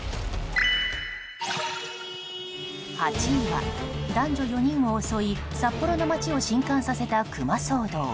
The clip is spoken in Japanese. ８位は、男女４人を襲い札幌の街を震撼させたクマ騒動。